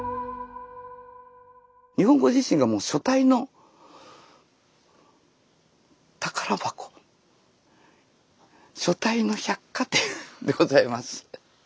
日本語自身がもう書体の百貨店でございます。